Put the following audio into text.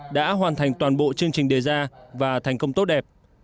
đã hoàn thành toàn bộ chương trình đề ra và thành công tốt đẹp